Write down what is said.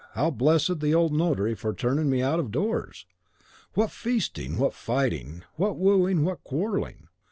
how I blessed the old notary for turning me out of doors! What feasting, what fighting, what wooing, what quarrelling!